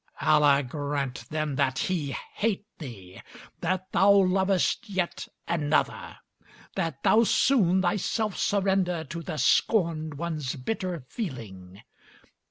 Allah grant, then, that he hate thee! That thou lovest yet another! That thou soon thyself surrender to the scorned one's bitter feeling.